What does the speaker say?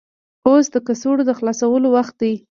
اوس د کڅوړو د خلاصولو وخت دی.